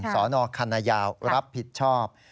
สคยรับผิดชอบ